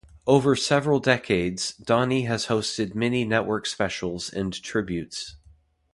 Over several decades, Donnie has hosted many network specials and tributes.